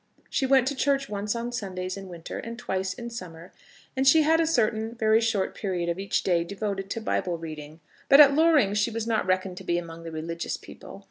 She went to church once on Sundays in winter, and twice in summer, and she had a certain very short period of each day devoted to Bible reading; but at Loring she was not reckoned to be among the religious people.